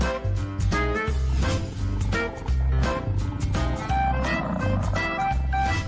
โอ้โหนละครับ